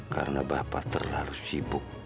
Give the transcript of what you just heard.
karena bapak terlalu sibuk